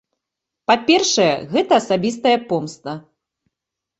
Па-першае, гэта асабістая помста.